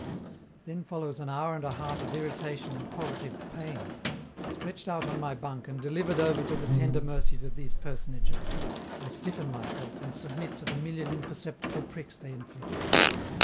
Then follows an hour and a half of irritation and positive pain. Stretched out on my bunk and delivered over to the tender mercies of these personages, I stiffen myself and submit to the million imperceptible pricks they inflict.